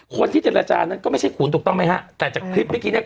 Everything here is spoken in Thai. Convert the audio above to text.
คนที่เจรจานั้นก็ไม่ใช่ขุนถูกต้องไหมฮะแต่จากคลิปเมื่อกี้เนี้ย